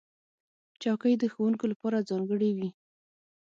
چوکۍ د ښوونکو لپاره ځانګړې وي.